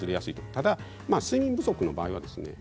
ただ睡眠不足の場合はですね